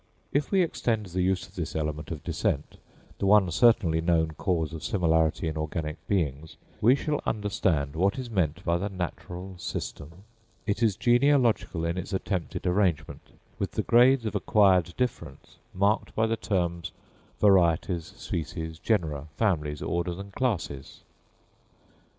If we extend the use of this element of descent—the one certainly known cause of similarity in organic beings—we shall understand what is meant by the Natural System: it is genealogical in its attempted arrangement, with the grades of acquired difference marked by the terms, varieties, species, genera, families, orders, and classes.